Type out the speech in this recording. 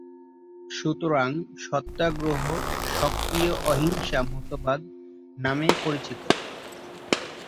সুতরাং সত্যাগ্রহ সক্রিয় অহিংসা মতবাদ নামে পরিচিত।